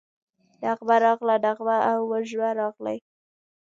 نغمه راغله، نغمه او وژمه راغلې